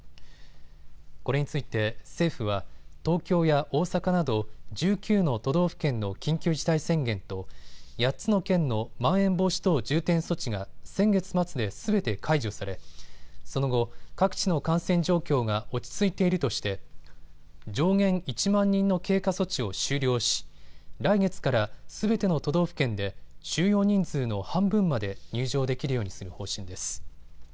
これについて政府は東京や大阪など１９の都道府県の緊急事態宣言と８つの県のまん延防止等重点措置が先月末ですべて解除されその後、各地の感染状況が落ち着いているとして上限１万人の経過措置を終了し来月から、すべての都道府県で収容人数の半分まで入場できるようにする方針です。